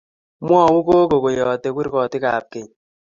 Mwou gogoo koyotei kurgotikab keny